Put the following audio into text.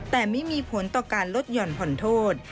แต่ไม่มีผลต่อการลดหย่อนผ่อนโทษ